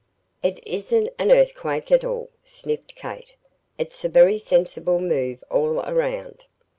"It isn't an earthquake at all," sniffed Kate. "It's a very sensible move all around.